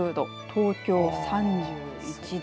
東京も３１度。